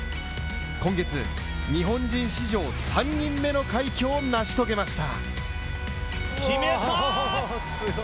今月、日本人史上３人目の快挙を成し遂げました。